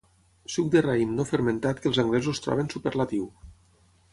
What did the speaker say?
Suc de raïm no fermentat que els anglesos troben superlatiu.